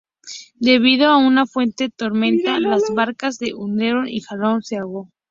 Debido a una fuerte tormenta las barcas de hundieron y Jawara se ahogó.